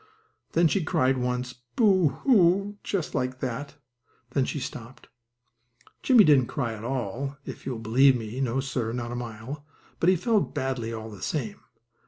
Then she cried once, "Boo hoo!" just like that. Then she stopped. Jimmie didn't cry at all, if you'll believe me, no, sir, not a mite, but he felt badly all the same.